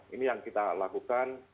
ini yang kita lakukan